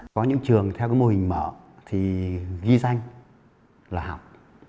có những trường theo cái mô hình mở thì ghi danh là học